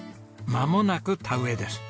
まもなく田植えです。